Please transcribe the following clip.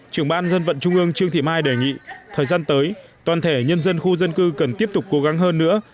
trưởng ban dân vận trung ương trương thị mai đề nghị thời gian tới toàn thể nhân dân khu dân cư cần tiếp tục cố gắng hơn nữa